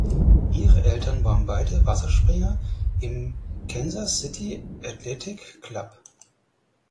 Ihr Eltern waren beide Wasserspringer im Kansas City Athletic Club.